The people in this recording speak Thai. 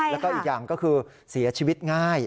แล้วก็อีกอย่างก็คือเสียชีวิตง่าย